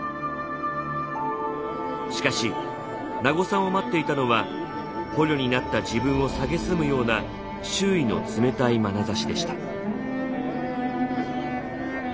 しかし名護さんを待っていたのは捕虜になった自分を蔑むような周囲の冷たいまなざしでした。